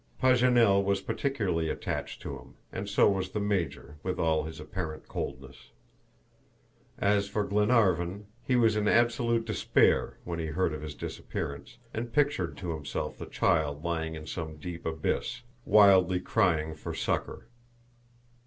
Paganel was particularly attached to him, and so was the Major, with all his apparent coldness. As for Glenarvan, he was in absolute despair when he heard of his disappearance, and pictured to himself the child lying in some deep abyss, wildly crying for succor.